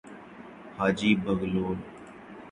حاجی بغلول